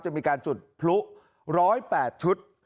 จะมีการจุดพลุ๑๐๘ชุด